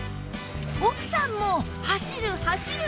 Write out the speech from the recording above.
奥さんも走る走る！